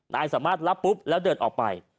นายสามารถรับปุ๊บแล้วเดินออกไป